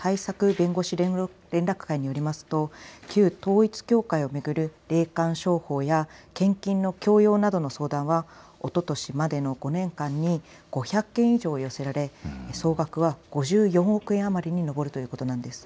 弁護士連絡会によりますと旧統一教会を巡る霊感商法や献金の強要などの相談はおととしまでの５年間に５００件以上寄せられ総額は５４億円余りに上るということなんです。